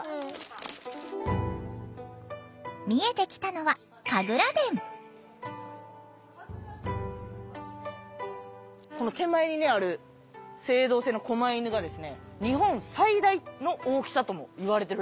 見えてきたのはこの手前にある青銅製のこま犬が日本最大の大きさともいわれてるらしいんです。